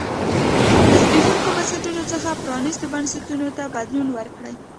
له زبېښونکو بنسټونو څخه پرانیستو بنسټونو ته بدلون وکړي.